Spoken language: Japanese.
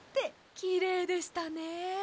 きれいでしたね。